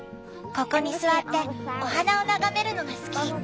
ここに座ってお花を眺めるのが好き。